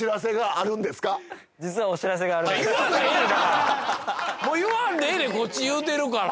言わんでええねんだからもうこっち言うてるから！